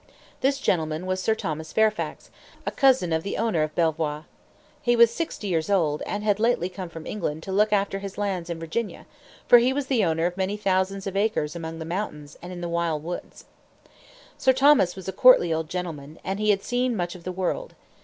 This gentleman was Sir Thomas Fairfax, a cousin of the owner of Belvoir. He was sixty years old, and had lately come from England to look after his lands in Virginia; for he was the owner of many thousands of acres among the mountains and in the wild woods. Sir Thomas was a courtly old gentleman, and he had seen much of the world.